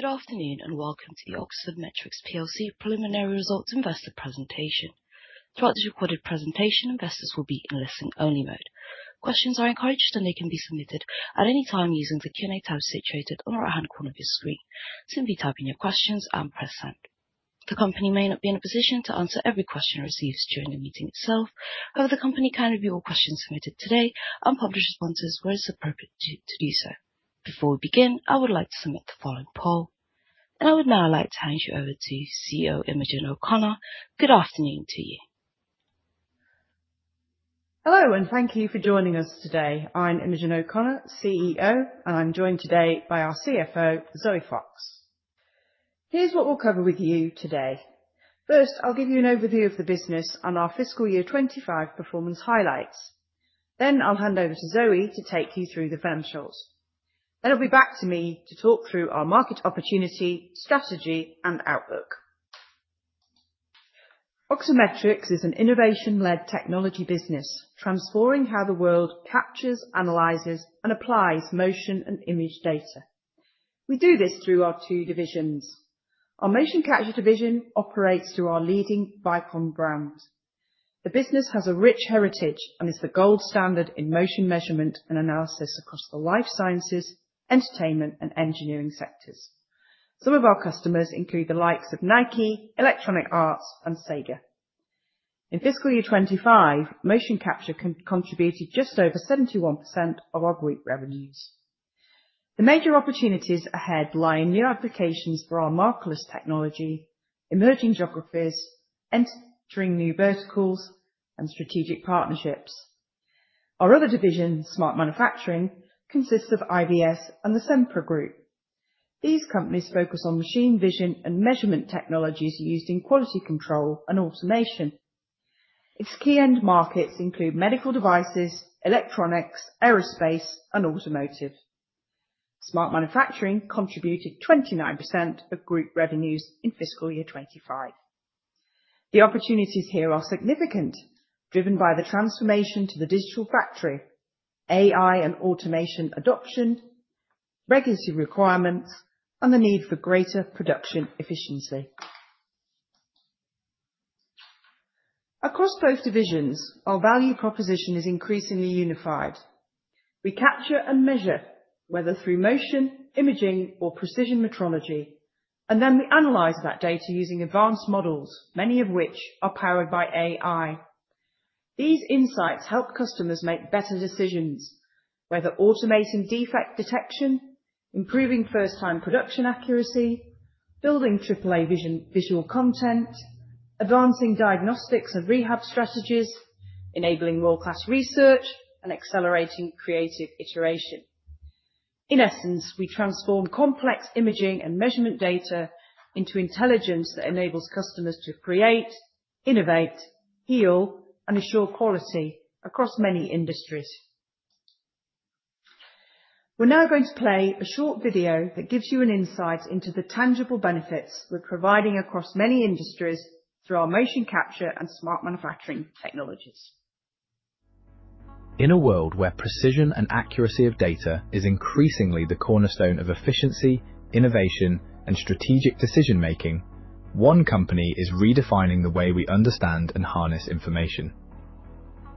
Good afternoon, and welcome to the Oxford Metrics plc preliminary results investor presentation. Throughout this recorded presentation, investors will be in listen only mode. Questions are encouraged, and they can be submitted at any time using the Q&A tab situated on the right-hand corner of your screen. Simply type in your questions and press send. The company may not be in a position to answer every question received during the meeting itself, however, the company can review all questions submitted today and publish responses where it's appropriate to do so. Before we begin, I would like to submit the following poll. I would now like to hand you over to CEO, Imogen Moorhouse. Good afternoon to you. Hello, and thank you for joining us today. I'm Imogen O'Connor, CEO, and I'm joined today by our CFO, Zoe Fox. Here's what we'll cover with you today. First, I'll give you an overview of the business and our fiscal year 2025 performance highlights. I'll hand over to Zoe to take you through the financials. It'll be back to me to talk through our market opportunity, strategy, and outlook. Oxford Metrics is an innovation-led technology business transforming how the world captures, analyzes, and applies motion and image data. We do this through our two divisions. Our Motion Capture division operates through our leading Vicon brand. The business has a rich heritage and is the gold standard in motion measurement and analysis across the life sciences, entertainment, and engineering sectors. Some of our customers include the likes of Nike, Electronic Arts, and Sega. In fiscal year 2025, Motion Capture contributed just over 71% of our group revenues. The major opportunities ahead lie in new applications for our markerless technology, emerging geographies, entering new verticals, and strategic partnerships. Our other division, Smart Manufacturing, consists of IVS and the Sempre Group. These companies focus on machine vision and measurement technologies used in quality control and automation. Its key end markets include medical devices, electronics, aerospace, and automotive. Smart Manufacturing contributed 29% of group revenues in fiscal year 2025. The opportunities here are significant, driven by the transformation to the digital factory, AI and automation adoption, regulatory requirements, and the need for greater production efficiency. Across both divisions, our value proposition is increasingly unified. We capture and measure, whether through motion, imaging, or precision metrology, and then we analyze that data using advanced models, many of which are powered by AI. These insights help customers make better decisions, whether automating defect detection, improving first-time production accuracy, building AAA visual content, advancing diagnostics and rehab strategies, enabling world-class research, and accelerating creative iteration. In essence, we transform complex imaging and measurement data into intelligence that enables customers to create, innovate, heal, and assure quality across many industries. We're now going to play a short video that gives you an insight into the tangible benefits we're providing across many industries through our Motion Capture and Smart Manufacturing technologies. In a world where precision and accuracy of data is increasingly the cornerstone of efficiency, innovation, and strategic decision-making, one company is redefining the way we understand and harness information.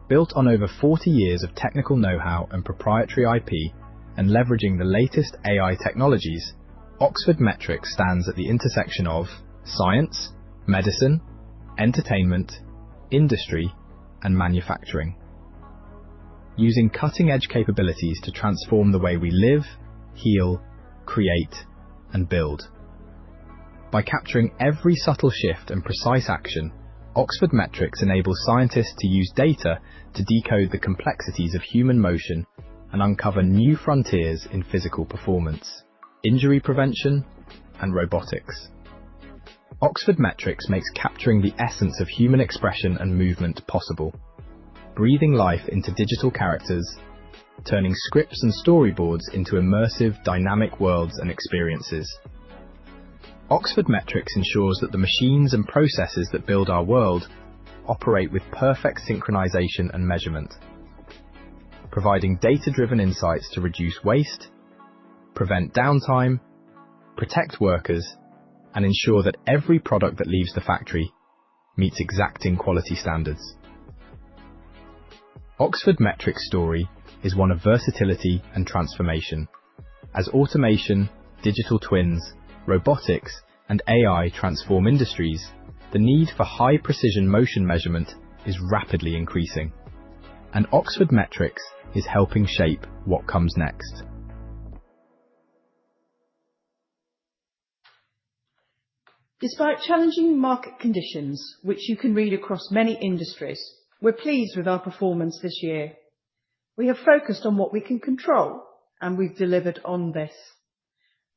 Built on over 40 years of technical know-how and proprietary IP, leveraging the latest AI technologies, Oxford Metrics stands at the intersection of science, medicine, entertainment, industry, and manufacturing, using cutting-edge capabilities to transform the way we live, heal, create, and build. By capturing every subtle shift and precise action, Oxford Metrics enables scientists to use data to decode the complexities of human motion and uncover new frontiers in physical performance, injury prevention, and robotics. Oxford Metrics makes capturing the essence of human expression and movement possible, breathing life into digital characters, turning scripts and storyboards into immersive, dynamic worlds and experiences. Oxford Metrics ensures that the machines and processes that build our world operate with perfect synchronization and measurement, providing data-driven insights to reduce waste, prevent downtime, protect workers, and ensure that every product that leaves the factory meets exacting quality standards. Oxford Metrics' story is one of versatility and transformation. As automation, digital twins, robotics, and AI transform industries, the need for high-precision motion measurement is rapidly increasing, and Oxford Metrics is helping shape what comes next. Despite challenging market conditions, which you can read across many industries, we're pleased with our performance this year. We have focused on what we can control, and we've delivered on this.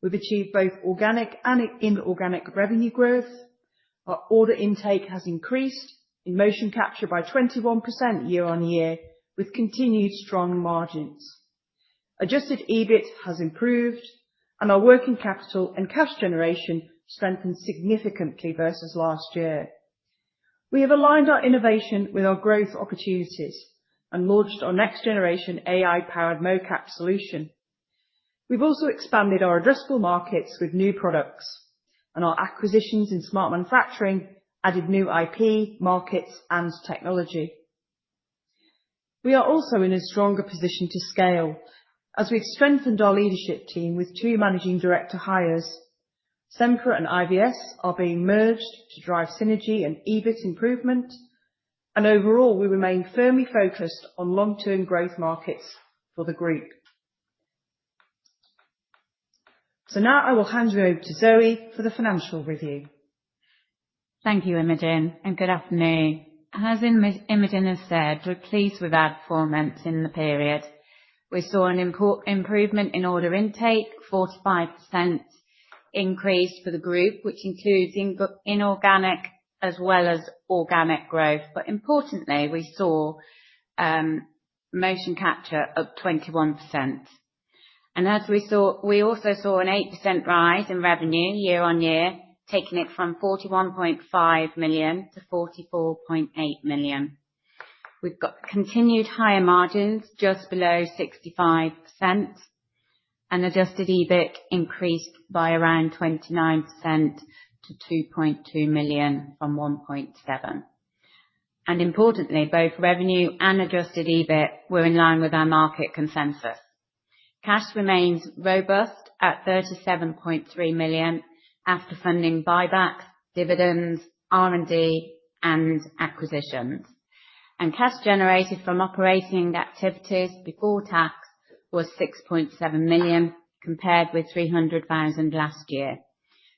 We've achieved both organic and inorganic revenue growth. Our order intake has increased in Motion Capture by 21% year-on-year with continued strong margins. Adjusted EBIT has improved, and our working capital and cash generation strengthened significantly versus last year. We have aligned our innovation with our growth opportunities and launched our next generation AI-powered MoCap solution. We've also expanded our addressable markets with new products, and our acquisitions in Smart Manufacturing added new IP, markets, and technology. We are also in a stronger position to scale, as we've strengthened our leadership team with two managing director hires. Sempre and IVS are being merged to drive synergy and EBIT improvement, and overall, we remain firmly focused on long-term growth markets for the group. Now I will hand you over to Zoe for the financial review. Thank you, Imogen, and good afternoon. As Imogen has said, we're pleased with our performance in the period. We saw an improvement in order intake, a 45% increase for the group, which includes inorganic as well as organic growth. Importantly, we saw motion capture up 21%. We also saw an 8% rise in revenue year-on-year, taking it from 41.5 million to 44.8 million. We've got continued higher margins just below 65%, and adjusted EBIT increased by around 29% to 2.2 million from 1.7 million. Importantly, both revenue and adjusted EBIT were in line with our market consensus. Cash remains robust at 37.3 million after funding buybacks, dividends, R&D, and acquisitions. Cash generated from operating activities before tax was 6.7 million, compared with 300,000 last year,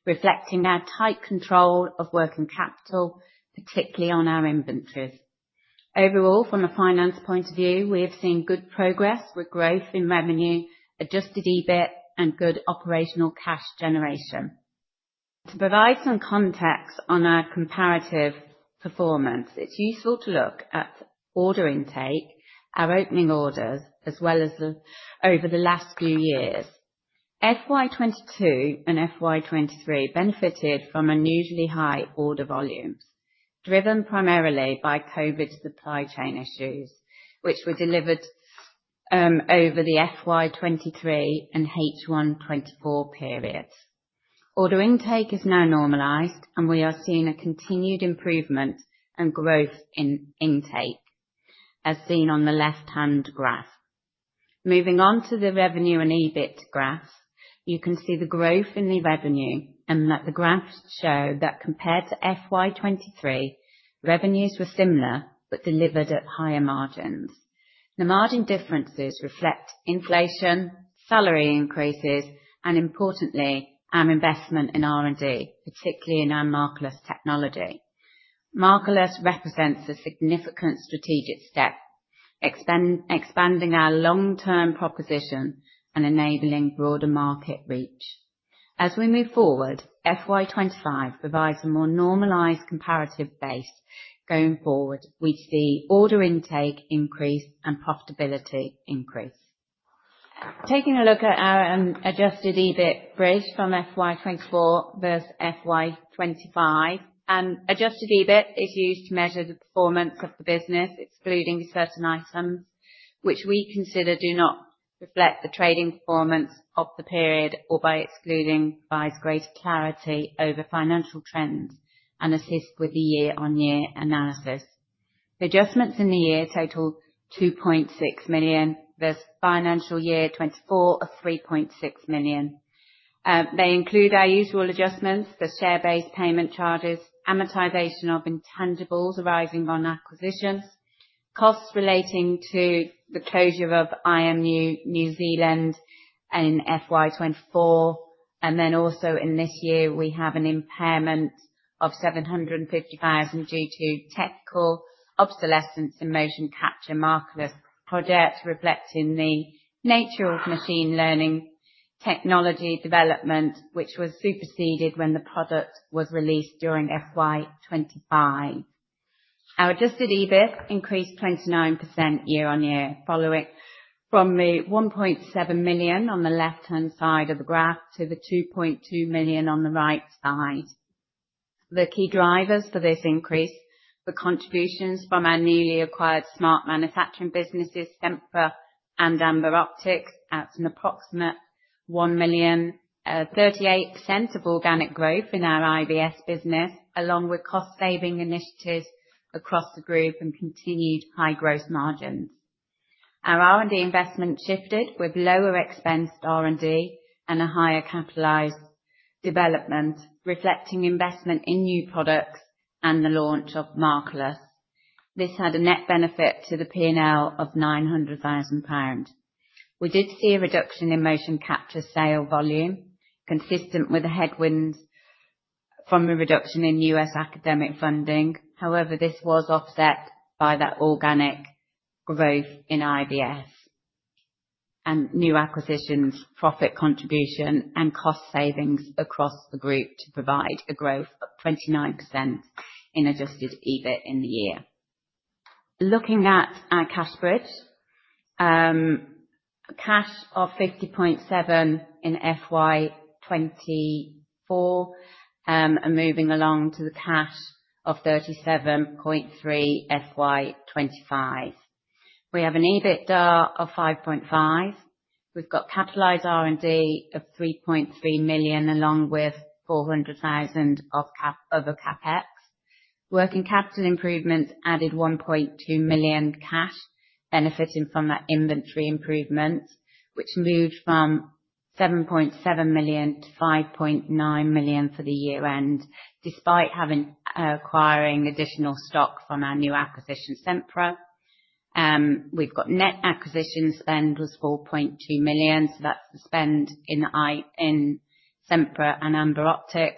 reflecting our tight control of working capital, particularly on our inventories. Overall, from a finance point of view, we have seen good progress with growth in revenue, adjusted EBIT, and good operational cash generation. To provide some context on our comparative performance, it's useful to look at order intake, our opening orders, as well as over the last few years. FY 2022 and FY 2023 benefited from unusually high order volumes, driven primarily by COVID supply chain issues, which were delivered over the FY 2023 and H1 2024 periods. Order intake is now normalized, we are seeing a continued improvement and growth in intake, as seen on the left-hand graph. Moving on to the revenue and EBIT graphs, you can see the growth in the revenue and that the graphs show that compared to FY 2023, revenues were similar but delivered at higher margins. The margin differences reflect inflation, salary increases, importantly, our investment in R&D, particularly in our Markerless technology. Markerless represents a significant strategic step, expanding our long-term proposition and enabling broader market reach. As we move forward, FY 2025 provides a more normalized comparative base going forward with the order intake increase and profitability increase. Taking a look at our adjusted EBIT bridge from FY 2024 versus FY 2025. Adjusted EBIT is used to measure the performance of the business, excluding certain items which we consider do not reflect the trading performance of the period, or by excluding, provides greater clarity over financial trends and assist with the year-on-year analysis. The adjustments in the year total 2.6 million versus FY 2024 are 3.6 million. They include our usual adjustments, the share-based payment charges, amortization of intangibles arising on acquisitions, costs relating to the closure of IMU New Zealand in FY 2024. Also in this year, we have an impairment of 750,000 due to technical obsolescence in motion capture Markerless projects, reflecting the nature of machine learning technology development, which was superseded when the product was released during FY 2025. Our adjusted EBIT increased 29% year-on-year, following from the 1.7 million on the left-hand side of the graph to the 2.2 million on the right side. The key drivers for this increase, the contributions from our newly acquired Smart Manufacturing businesses, Sempre and Amber Optix, at an approximate 1 million, 38% of organic growth in our IVS business, along with cost-saving initiatives across the group and continued high growth margins. Our R&D investment shifted with lower expensed R&D and a higher capitalized development, reflecting investment in new products and the launch of Markerless. This had a net benefit to the P&L of 900,000 pounds. We did see a reduction in motion capture sale volume, consistent with the headwinds from a reduction in U.S. academic funding. This was offset by that organic growth in IVS and new acquisitions profit contribution and cost savings across the group to provide a growth of 29% in adjusted EBIT in the year. Looking at our cash bridge, cash of 50.7 million in FY 2024, and moving along to the cash of 37.3 million FY 2025. We have an EBITDA of 5.5 million. We've got capitalized R&D of 3.3 million, along with 400,000 of CapEx. Working capital improvements added 1.2 million cash benefiting from that inventory improvement, which moved from 7.7 million to 5.9 million for the year end. Despite acquiring additional stock from our new acquisition, Sempre. We've got net acquisition spend was 4.2 million, so that's the spend in Sempre and Amber Optix.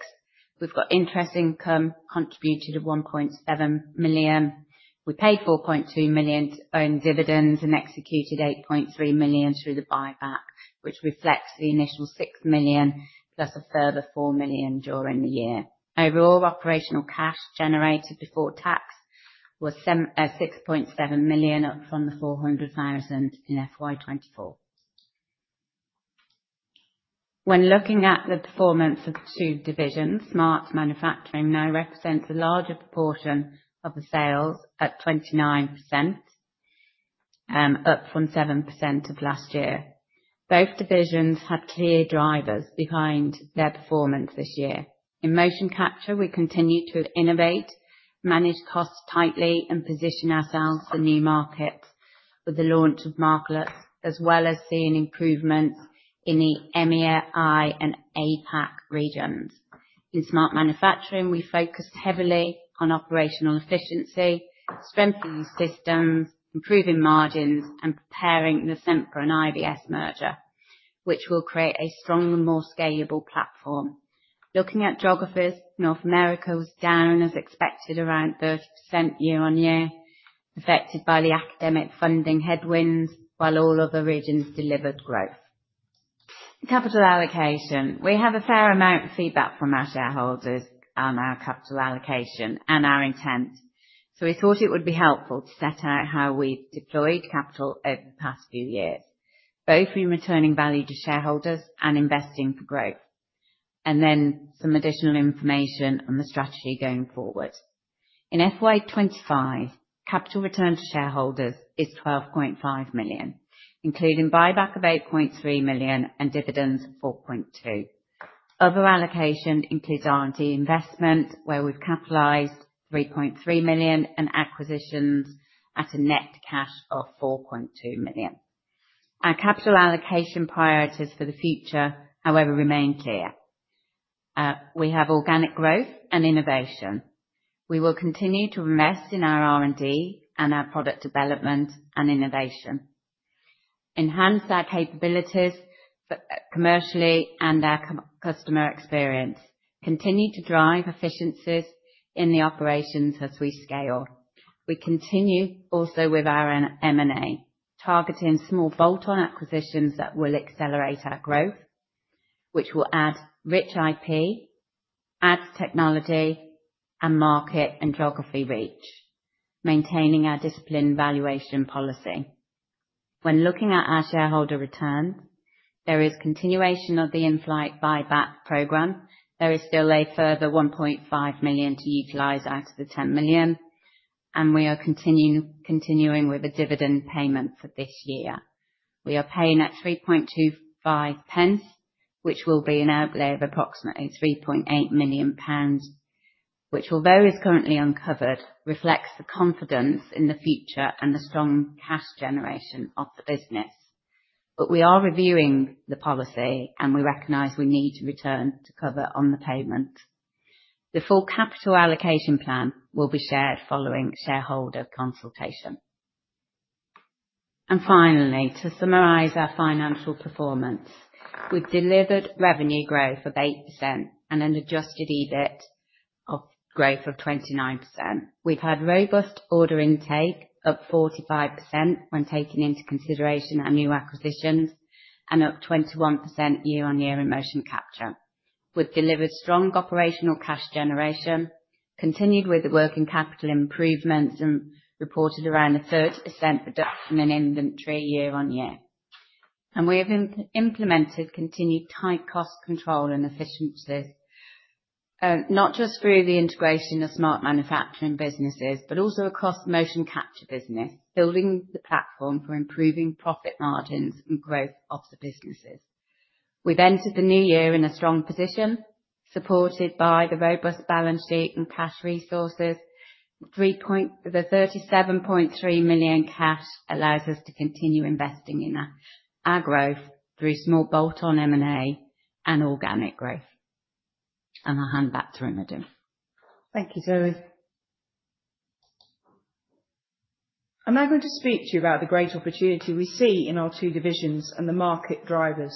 We've got interest income contributed of 1.7 million. We paid 4.2 million to own dividends and executed 8.3 million through the buyback, which reflects the initial 6 million plus a further 4 million during the year. Overall operational cash generated before tax was 6.7 million, up from the 400,000 in FY 2024. When looking at the performance of the two divisions, Smart Manufacturing now represents a larger proportion of the sales at 29%, up from 7% of last year. Both divisions had clear drivers behind their performance this year. In Motion Capture, we continued to innovate, manage costs tightly, and position ourselves for new markets with the launch of Markerless, as well as seeing improvements in the EMEA and APAC regions. In Smart Manufacturing, we focused heavily on operational efficiency, strengthening systems, improving margins, and preparing the Sempre and IVS merger, which will create a stronger, more scalable platform. Looking at geographies, North America was down as expected, around 30% year-over-year, affected by the academic funding headwinds, while all other regions delivered growth. Capital allocation. We have a fair amount of feedback from our shareholders on our capital allocation and our intent. We thought it would be helpful to set out how we've deployed capital over the past few years, both through returning value to shareholders and investing for growth. Some additional information on the strategy going forward. In FY 2025, capital return to shareholders is 12.5 million, including buyback of 8.3 million and dividends 4.2 million. Other allocation includes R&D investment, where we've capitalized 3.3 million and acquisitions at a net cash of 4.2 million. Our capital allocation priorities for the future, however, remain clear. We have organic growth and innovation. We will continue to invest in our R&D and our product development and innovation, enhance our capabilities commercially and our customer experience, continue to drive efficiencies in the operations as we scale. We continue also with our M&A, targeting small bolt-on acquisitions that will accelerate our growth, which will add rich IP, add technology, and market and geography reach, maintaining our disciplined valuation policy. When looking at our shareholder return, there is continuation of the in-flight buyback program. There is still a further 1.5 million to utilize out of the 10 million, and we are continuing with the dividend payment for this year. We are paying at 0.0325, which will be an outlay of approximately 3.8 million pounds, which although is currently uncovered, reflects the confidence in the future and the strong cash generation of the business. We are reviewing the policy, and we recognize we need to return to cover on the payment. The full capital allocation plan will be shared following shareholder consultation. Finally, to summarize our financial performance. We've delivered revenue growth of 8% and an adjusted EBIT of growth of 29%. We've had robust order intake, up 45% when taking into consideration our new acquisitions and up 21% year-on-year in Motion Capture. We've delivered strong operational cash generation, continued with the working capital improvements, and reported around a 30% reduction in inventory year-on-year. We have implemented continued tight cost control and efficiencies, not just through the integration of Smart Manufacturing businesses, but also across the Motion Capture business, building the platform for improving profit margins and growth of the businesses. We've entered the new year in a strong position, supported by the robust balance sheet and cash resources. The 37.3 million cash allows us to continue investing in our growth through small bolt-on M&A and organic growth. I'll hand back to Imogen. Thank you, Zoe. I'm now going to speak to you about the great opportunity we see in our two divisions and the market drivers.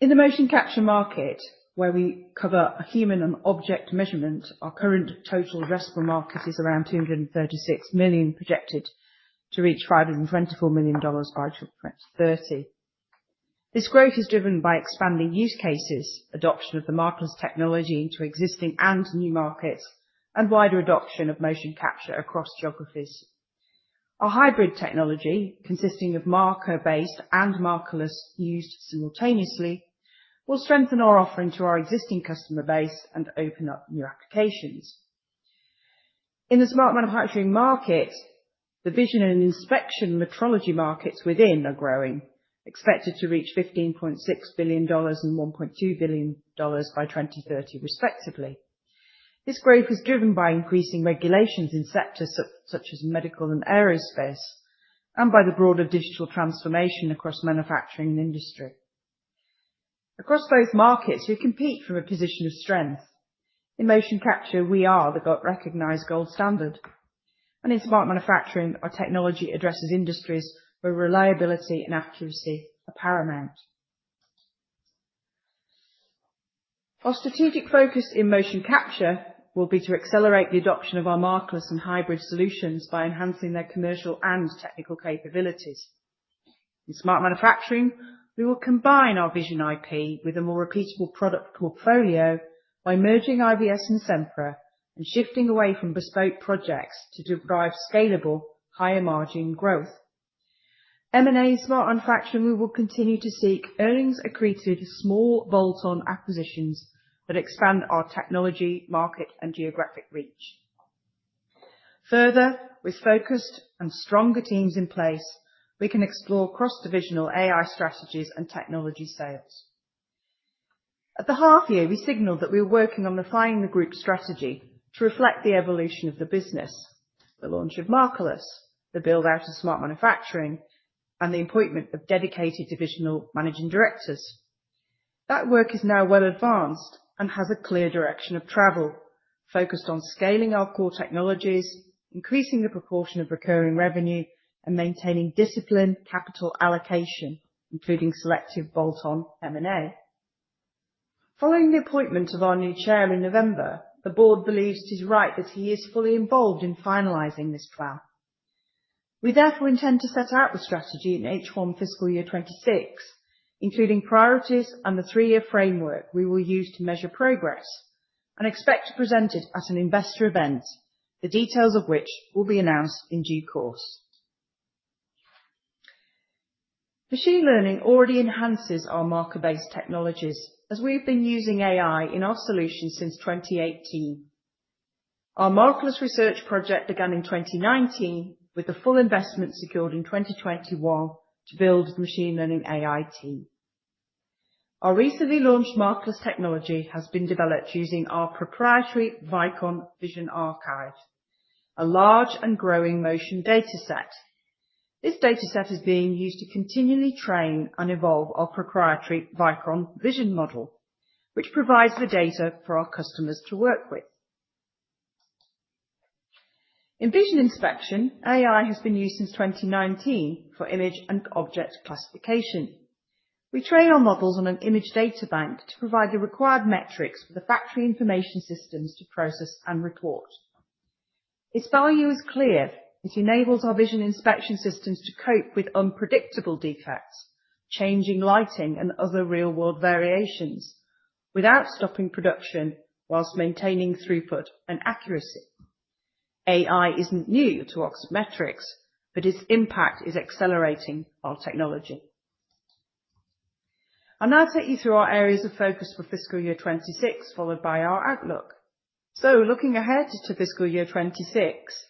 In the Motion Capture market, where we cover human and object measurement, our current total addressable market is around $236 million, projected to reach $524 million by 2030. This growth is driven by expanding use cases, adoption of the Markerless technology into existing and new markets, and wider adoption of Motion Capture across geographies. Our Hybrid technology, consisting of Marker-based and Markerless used simultaneously, will strengthen our offering to our existing customer base and open up new applications. In the Smart Manufacturing market, the vision and inspection metrology markets within are growing, expected to reach GBP 15.6 billion and GBP 1.2 billion by 2030, respectively. This growth is driven by increasing regulations in sectors such as medical and aerospace, and by the broader digital transformation across manufacturing and industry. Across both markets, we compete from a position of strength. In Motion Capture, we are the recognized gold standard. In Smart Manufacturing, our technology addresses industries where reliability and accuracy are paramount. Our strategic focus in Motion Capture will be to accelerate the adoption of our Markerless and Hybrid solutions by enhancing their commercial and technical capabilities. In Smart Manufacturing, we will combine our vision IP with a more repeatable product portfolio by merging IVS and Sempre, and shifting away from bespoke projects to derive scalable, higher-margin growth. M&A Smart Manufacturing, we will continue to seek earnings-accretive, small bolt-on acquisitions that expand our technology, market, and geographic reach. Further, with focused and stronger teams in place, we can explore cross-divisional AI strategies and technology sales. At the half year, we signaled that we were working on refining the group strategy to reflect the evolution of the business, the launch of Markerless, the build-out of Smart Manufacturing, and the appointment of dedicated divisional managing directors. That work is now well advanced and has a clear direction of travel, focused on scaling our core technologies, increasing the proportion of recurring revenue, and maintaining disciplined capital allocation, including selective bolt-on M&A. Following the appointment of our new chair in November, the board believes it is right that he is fully involved in finalizing this plan. We therefore intend to set out the strategy in H1 FY 2026, including priorities and the three-year framework we will use to measure progress, and expect to present it at an investor event, the details of which will be announced in due course. Machine learning already enhances our marker-based technologies, as we have been using AI in our solutions since 2018. Our Markerless research project began in 2019, with the full investment secured in 2021 to build the machine learning AI team. Our recently launched Markerless technology has been developed using our proprietary Vicon Vision Archive, a large and growing motion data set. This data set is being used to continually train and evolve our proprietary Vicon vision model, which provides the data for our customers to work with. In Vision Inspection, AI has been used since 2019 for image and object classification. We train our models on an image data bank to provide the required metrics for the factory information systems to process and report. Its value is clear. It enables our Vision Inspection systems to cope with unpredictable defects, changing lighting, and other real-world variations without stopping production, while maintaining throughput and accuracy. AI isn't new to Oxford Metrics, but its impact is accelerating our technology. I'll now take you through our areas of focus for FY 2026, followed by our outlook. Looking ahead to FY 2026,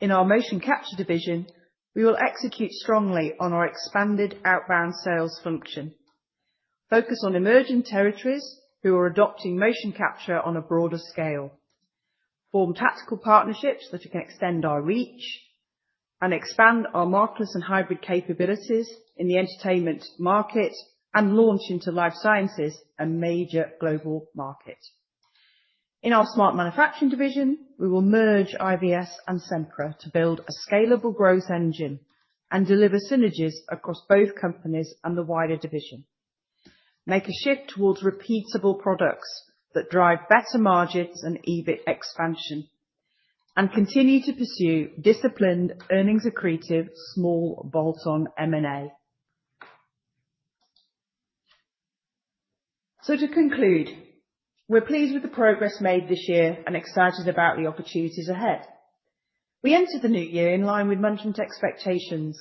in our Motion Capture division, we will execute strongly on our expanded outbound sales function, focus on emerging territories who are adopting Motion Capture on a broader scale, form tactical partnerships that can extend our reach, and expand our Markerless and hybrid capabilities in the entertainment market, and launch into life sciences, a major global market. In our Smart Manufacturing division, we will merge IVS and Sempre to build a scalable growth engine and deliver synergies across both companies and the wider division, make a shift towards repeatable products that drive better margins and EBIT expansion, and continue to pursue disciplined earnings-accretive small bolt-on M&A. To conclude, we're pleased with the progress made this year and excited about the opportunities ahead. We enter the new year in line with management expectations,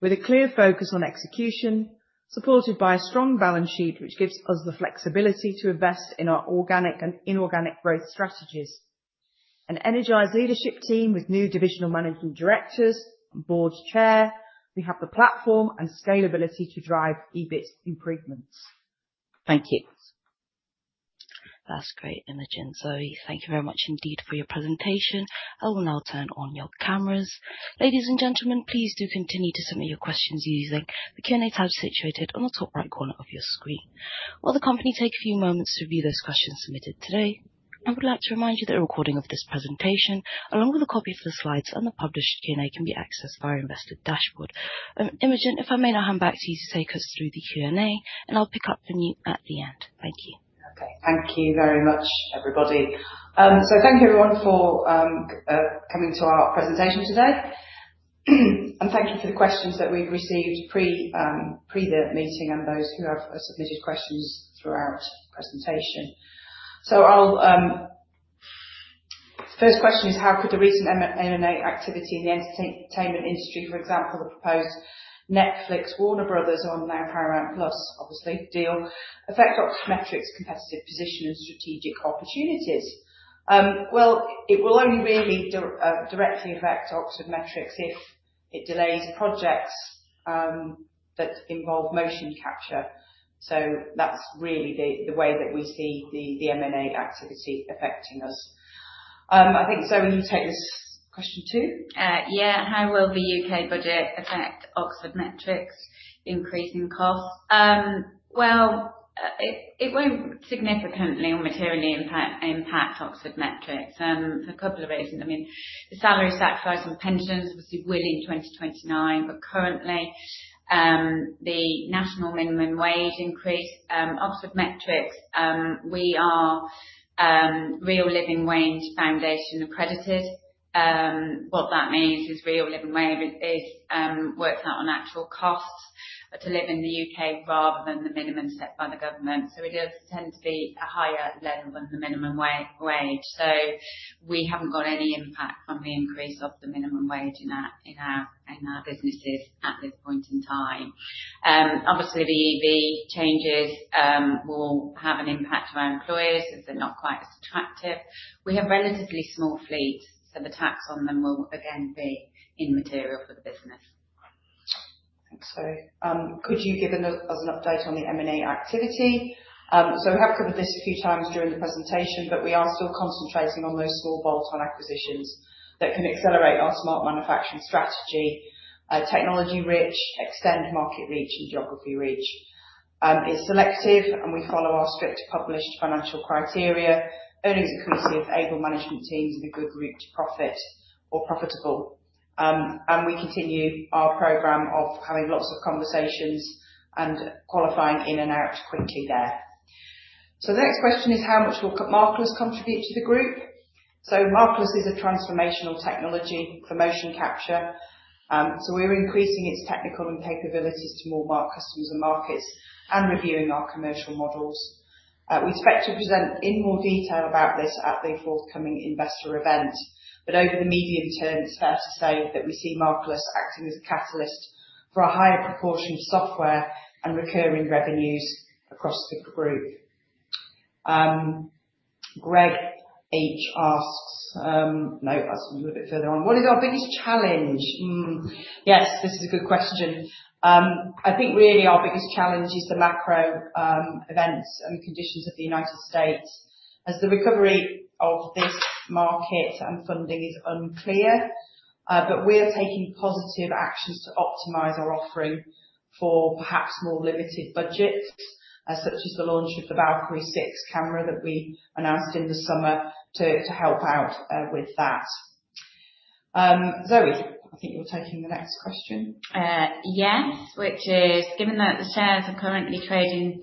with a clear focus on execution, supported by a strong balance sheet, which gives us the flexibility to invest in our organic and inorganic growth strategies. An energized leadership team with new divisional managing directors and board chair, we have the platform and scalability to drive EBIT improvements. Thank you. That's great, Imogen. Zoe, thank you very much indeed for your presentation. I will now turn on your cameras. Ladies and gentlemen, please do continue to submit your questions using the Q&A tab situated on the top right corner of your screen. While the company takes a few moments to review those questions submitted today, I would like to remind you that a recording of this presentation, along with a copy of the slides and the published Q&A, can be accessed via investor dashboard. Imogen, if I may now hand back to you to take us through the Q&A, and I'll pick up with you at the end. Thank you. Thank you very much, everybody. Thank you, everyone, for coming to our presentation today. Thank you for the questions that we've received pre the meeting and those who have submitted questions throughout presentation. First question is: how could the recent M&A activity in the entertainment industry, for example, the proposed Netflix, Warner Bros., or now Paramount Plus, obviously, deal affect Oxford Metrics competitive position and strategic opportunities? It will only really directly affect Oxford Metrics if it delays projects that involve motion capture. That's really the way that we see the M&A activity affecting us. I think, Zoe, will you take this question too? How will the U.K. budget affect Oxford Metrics increasing costs? It won't significantly or materially impact Oxford Metrics. For a couple of reasons. I mean, the salary sacrifice on pensions obviously will in 2029, but currently, the national minimum wage increase, Oxford Metrics, we are Living Wage Foundation accredited. What that means is Real Living Wage is worked out on actual costs to live in the U.K. rather than the minimum set by the government. We do tend to be a higher level than the minimum wage. We haven't got any impact from the increase of the minimum wage in our businesses at this point in time. Obviously, the EV changes will have an impact on our employers as they're not quite as attractive. We have relatively small fleets, the tax on them will again be immaterial for the business. Thanks, Zoe. Could you give us an update on the M&A activity? We have covered this a few times during the presentation, but we are still concentrating on those small bolt-on acquisitions that can accelerate our Smart Manufacturing strategy, technology reach, extend market reach and geography reach. It's selective, and we follow our strict published financial criteria, earnings inclusivity, able management teams with a good route to profit or profitable. We continue our program of having lots of conversations and qualifying in and out quickly there. The next question is: how much will Markerless contribute to the group? Markerless is a transformational technology for motion capture. We're increasing its technical and capabilities to more customers and markets and reviewing our commercial models. We expect to present in more detail about this at the forthcoming investor event. Over the medium term, it's fair to say that we see Markerless acting as a catalyst for a higher proportion of software and recurring revenues across the group. No, that's a little bit further on. What is our biggest challenge? Yes, this is a good question. I think really our biggest challenge is the macro events and conditions of the U.S. as the recovery of this market and funding is unclear. We are taking positive actions to optimize our offering for perhaps more limited budgets, such as the launch of the Valkyrie Six camera that we announced in the summer to help out with that. Zoe, I think you're taking the next question. Which is: given that the shares are currently trading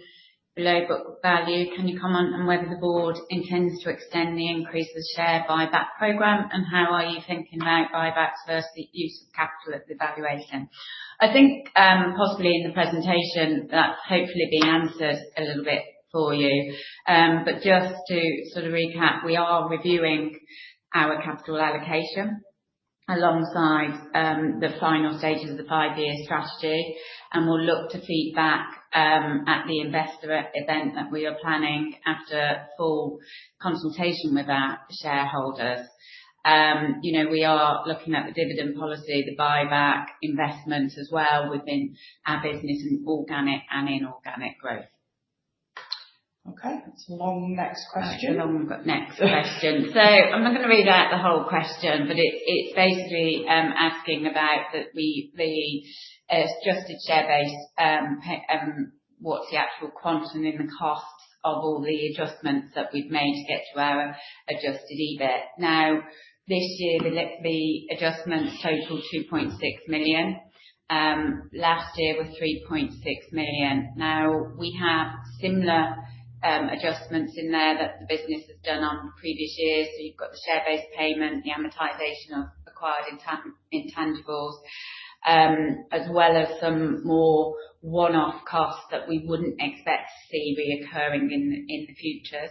below book value, can you comment on whether the board intends to extend the increase of the share buyback program? How are you thinking about buybacks versus the use of capital at the valuation? I think, possibly in the presentation that's hopefully been answered a little bit for you. Just to sort of recap, we are reviewing our capital allocation alongside the final stages of the five-year strategy, we'll look to feed back at the investor event that we are planning after full consultation with our shareholders. We are looking at the dividend policy, the buyback investment as well within our business in organic and inorganic growth. It's a long next question. A long next question. I'm not going to read out the whole question, but it's basically asking about the adjusted share base, what's the actual quantum in the cost of all the adjustments that we've made to get to our adjusted EBIT. Now, this year, the adjustments total 2.6 million. Last year was 3.6 million. Now we have similar adjustments in there that the business has done on previous years. You've got the share-based payment, the amortization of acquired intangibles, as well as some more one-off costs that we wouldn't expect to see reoccurring in the future.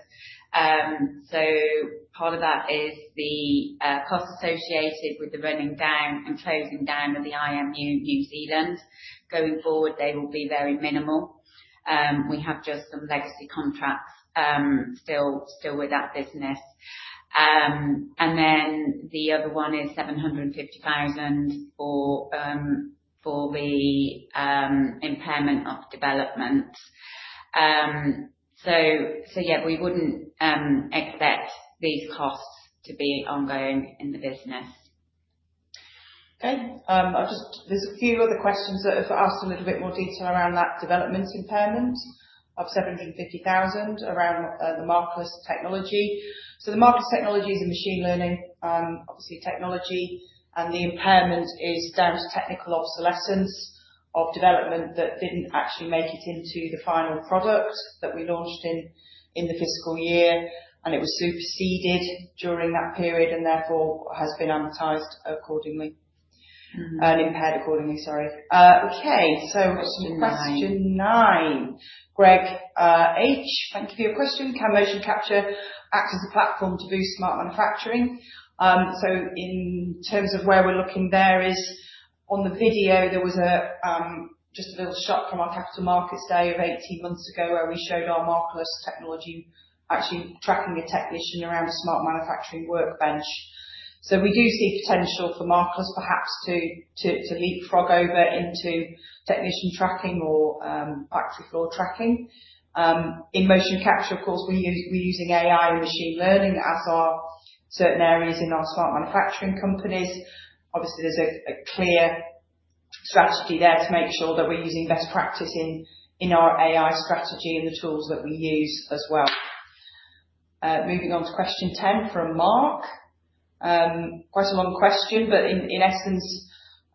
Part of that is the cost associated with the running down and closing down of the IMU New Zealand. Going forward, they will be very minimal. We have just some legacy contracts still with that business. The other one is 750,000 for the impairment of development. Yeah, we wouldn't expect these costs to be ongoing in the business. Okay. There's a few other questions that have asked a little bit more detail around that development impairment of 750,000 around the Markerless technology. The Markerless technology is a machine learning, obviously, technology, and the impairment is down to technical obsolescence of development that didn't actually make it into the final product that we launched in the fiscal year, and it was superseded during that period, and therefore, has been amortized accordingly. Impaired accordingly, sorry. Okay. Question nine. Question nine. Greg H, thank you for your question. Can Motion Capture act as a platform to boost Smart Manufacturing? In terms of where we're looking, there is on the video, there was just a little shot from our capital markets day of 18 months ago, where we showed our Markerless technology actually tracking a technician around a Smart Manufacturing workbench. We do see potential for Markerless perhaps to leapfrog over into technician tracking or factory floor tracking. In Motion Capture, of course, we're using AI and machine learning, as are certain areas in our Smart Manufacturing companies. Obviously, there's a clear strategy there to make sure that we're using best practice in our AI strategy and the tools that we use as well. Moving on to question 10 from Mark. In essence,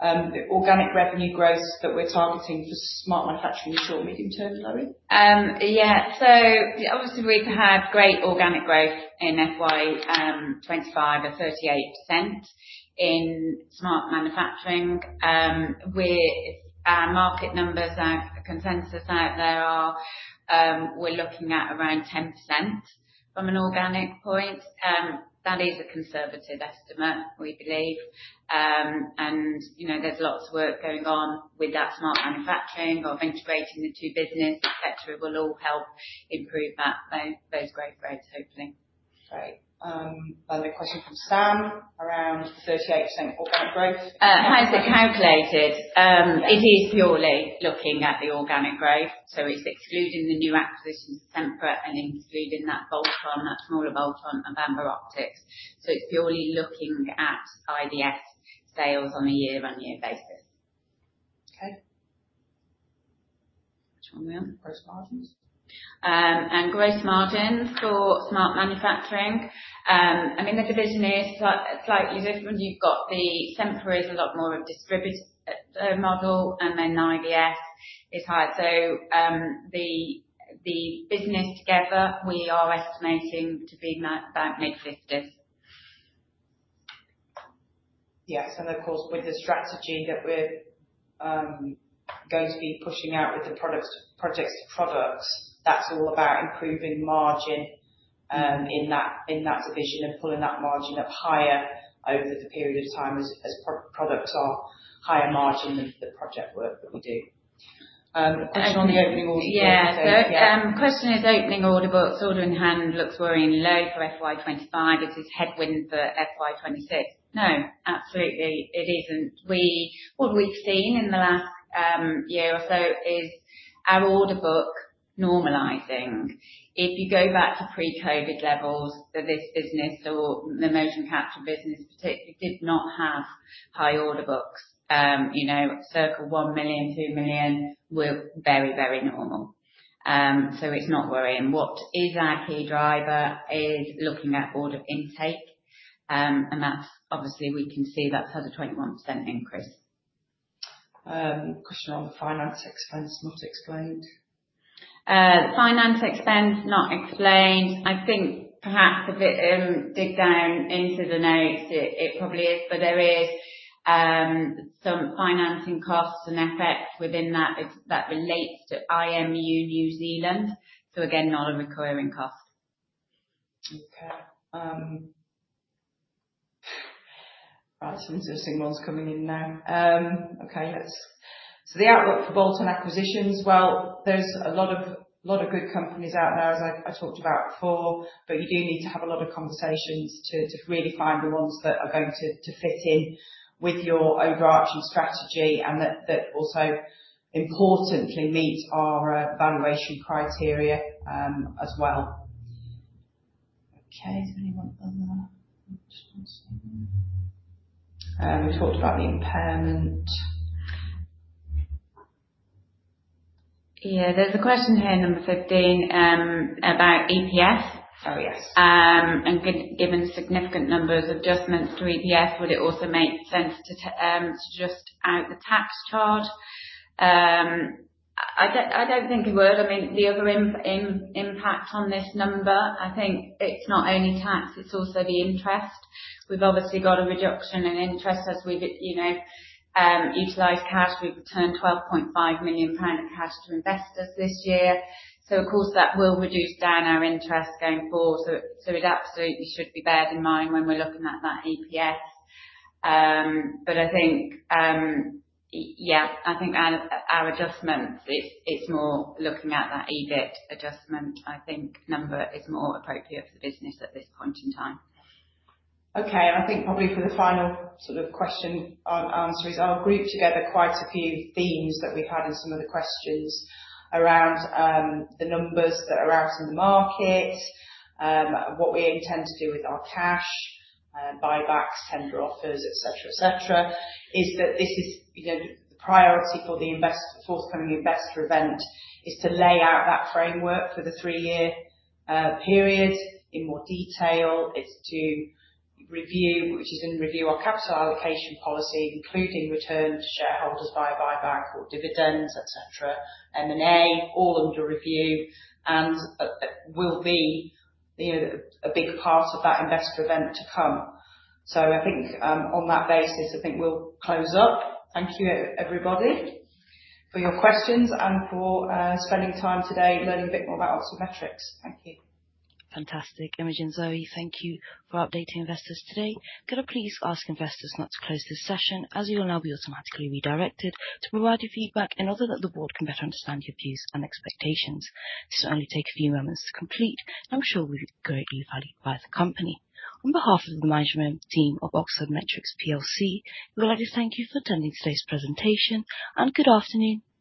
the organic revenue growth that we're targeting for Smart Manufacturing short, medium term, Zoe. Yeah. Obviously, we've had great organic growth in FY 2025 of 38% in Smart Manufacturing. Our market numbers and consensus out there are, we're looking at around 10% from an organic point. That is a conservative estimate, we believe. There's lots of work going on with that Smart Manufacturing of integrating the two business, et cetera, will all help improve those growth rates, hopefully. Great. The question from Sam around 38% organic growth. How's it calculated? It is purely looking at the organic growth, so it's excluding the new acquisition, Sempre, and including that smaller bolt-on of Amber Optix. It's purely looking at IVS sales on a year-on-year basis. Okay. Which one we on? Gross margins. Gross margin for Smart Manufacturing. I mean, the division is slightly different. You've got the Sempre is a lot more of a distributor model and then IVS is higher. The business together, we are estimating to be about mid-50s. Yes. Of course, with the strategy that we're going to be pushing out with the projects to products, that's all about improving margin in that division and pulling that margin up higher over the period of time as products are higher margin than the project work that we do. Question on the opening order book. Yeah. Yeah. Question is opening order books, order in hand looks worryingly low for FY 2025. Is this headwind for FY 2026? No, absolutely it isn't. What we've seen in the last year or so is our order book normalizing. If you go back to pre-COVID levels for this business or the motion capture business particularly, did not have high order books. Circa 1 million, 2 million were very normal. It's not worrying. What is our key driver is looking at order intake, and obviously, we can see that's had a 21% increase. Question on finance expense not explained. Finance expense not explained. I think perhaps if you dig down into the notes, it probably is, but there is some financing costs and effects within that relates to IMU New Zealand. Again, not a recurring cost. Okay. Right. Some interesting ones coming in now. The outlook for bolt-on acquisitions. Well, there's a lot of good companies out there, as I talked about before, but you do need to have a lot of conversations to really find the ones that are going to fit in with your overarching strategy and that also importantly meet our valuation criteria as well. Is there anyone on there which ones? We talked about the impairment. Yeah. There's a question here, number 15, about EPS. Yes. Given significant numbers of adjustments to EPS, would it also make sense to adjust out the tax charge? I don't think it would. I mean, the other impact on this number, I think it's not only tax, it's also the interest. We've obviously got a reduction in interest as we've utilized cash. We've returned 12.5 million pound of cash to investors this year. Of course, that will reduce down our interest going forward. It absolutely should be borne in mind when we're looking at that EPS. I think, yeah, I think our adjustments, it's more looking at that EBIT adjustment, I think, number is more appropriate for the business at this point in time. Okay. I think probably for the final sort of question and answer is I'll group together quite a few themes that we've had in some of the questions around the numbers that are out in the market, what we intend to do with our cash, buybacks, tender offers, et cetera. Is that this is the priority for the forthcoming investor event, is to lay out that framework for the 3-year period in more detail. It's to review, which is in review our capital allocation policy, including return to shareholders via buyback or dividends, et cetera. M&A, all under review, will be a big part of that investor event to come. I think on that basis, I think we'll close up. Thank you, everybody, for your questions and for spending time today learning a bit more about Oxford Metrics. Thank you. Fantastic. Imogen, Zoe, thank you for updating investors today. Could I please ask investors not to close this session, as you will now be automatically redirected to provide your feedback in order that the board can better understand your views and expectations. This will only take a few moments to complete. I'm sure will be greatly valued by the company. On behalf of the management team of Oxford Metrics plc, we would like to thank you for attending today's presentation, and good afternoon to you